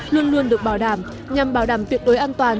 luôn luôn được bảo đảm nhằm bảo đảm tuyệt đối an toàn